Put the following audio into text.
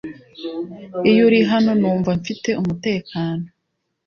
Iyo uri hano numva mfite umutekano